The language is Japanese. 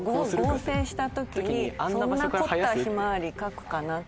合成した時にそんな凝ったひまわり描くかなって。